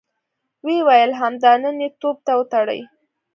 ويې ويل: همدا نن يې توپ ته وتړئ!